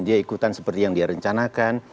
dia ikutan seperti yang dia rencanakan